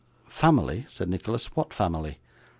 'Family!' said Nicholas. 'What family?